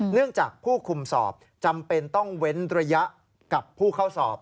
เนื่องจากผู้คุมสอบจำเป็นต้องเว้นระยะกับผู้เข้าสอบ